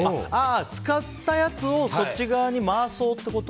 使ったやつをそっち側に回そうってこと？